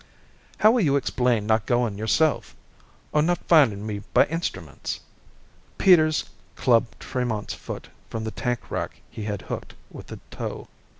"How will you explain not going yourself? Or not finding me by instruments?" Peters clubbed Tremont's foot from the tank rack he had hooked with the toe.